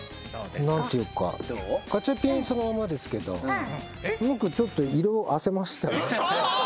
何て言うかガチャピンそのままですけどムックちょっと色あせましたよね？